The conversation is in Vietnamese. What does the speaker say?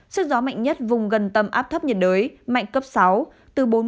sức gió mạnh nhất vùng gần tâm áp thấp nhiệt đới mạnh cấp sáu từ bốn mươi đến năm mươi km trên một giờ giật cấp tám